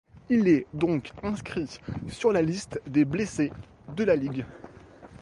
Il est donc inscrit sur la liste des blessés de la ligue.